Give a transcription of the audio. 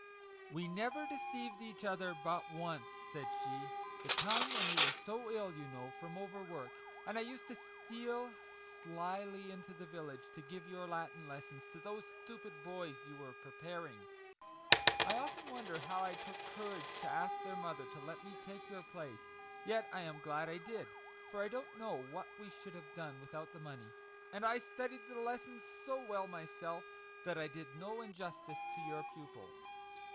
" We never deceived each other but once," said she ; "the time when you were so ill, you know, from over work, and I used to steal slily into the village to give your Latin lessons to those stupid boys you were ' preparing !' I often wonder how I took courage to ask their mother to let me take your place : yet I am glad I did, for I don't know what we should have done without the money ; and I studied the lessons so well myself, that I did no injus tice to your pupils.